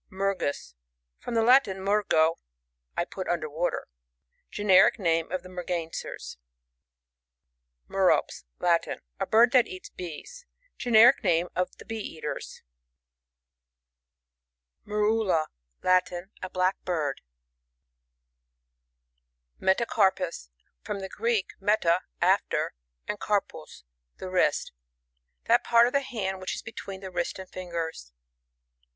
Mergus. — From the Latin, mergo, T put und^r water. Generic name of the Mergansers. Merops. — Latin. A bird that eats bees. Crcneric name of the Bee eaters. Muif7L4r— Latin. A BUek hM, dbyGoogk ORNITHOLOGY:— GLOSSARY. 119 Metacarpus — From the Greek, meta^ aflcr, and karpos, the wrist. That part of the hand which is between the wrist and fingers.